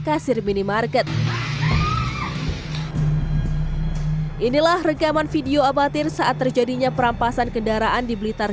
kasir minimarket inilah rekaman video amatir saat terjadinya perampasan kendaraan di blitar